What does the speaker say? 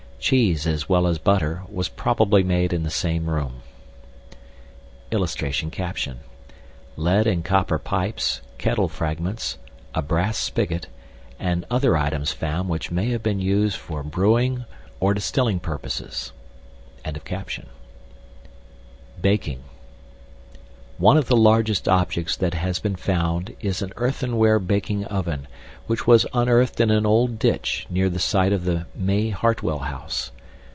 Cheese, as well as butter, was probably made in the same room. [Illustration: LEAD AND COPPER PIPES, KETTLE FRAGMENTS, A BRASS SPIGOT, AND OTHER ITEMS FOUND WHICH MAY HAVE BEEN USED FOR BREWING OR DISTILLING PURPOSES.] BAKING One of the largest objects that has been found is an earthenware baking oven, which was unearthed in an old ditch near the site of the May Hartwell House.